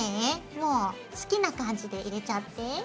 もう好きな感じで入れちゃって。